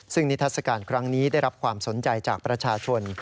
ซึ่งนิทัศกาลครั้งนี้ได้รับความสนใจจากประชาชน